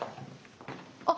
あっ！